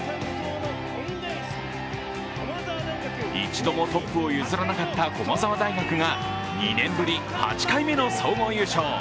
一度もトップを譲らなかった駒澤大学が２年ぶり８回目の総合優勝。